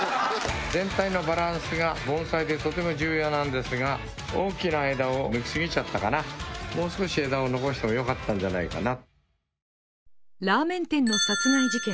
全体のバランスが盆栽でとても重要なんですが大きな枝を抜き過ぎちゃったかなもう少し枝を残してもよかったんじゃないかな